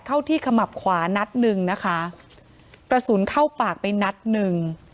เข้าที่ขมับขวานัดหนึ่งนะคะกระสุนเข้าปากไปนัดหนึ่ง